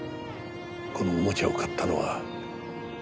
この玩具を買ったのは。